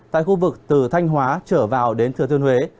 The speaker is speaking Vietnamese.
tại khu vực từ thanh hóa trở vào đến thừa thiên huế